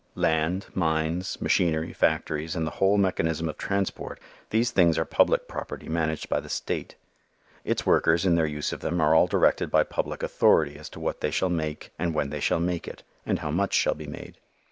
Land, mines, machinery, factories and the whole mechanism of transport, these things are public property managed by the State. Its workers in their use of them are all directed by public authority as to what they shall make and when they shall make it, and how much shall be made.